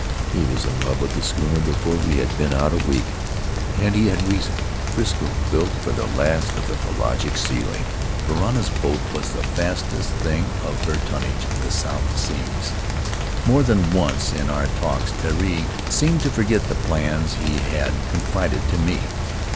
He was in love with the schooner before we had been out a week, and he had reason — Frisco built for the last His Mother's People of the pelagic sealing, Varana's boat was the fastest thing of her tonnage in the South Seas. More than once in our talks Terii seemed to forget the plans he had confided to me.